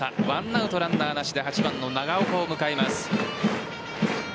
１アウトランナーなしで８番の長岡を迎えます。